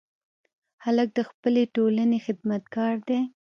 هلک د خپلې ټولنې خدمتګار دی.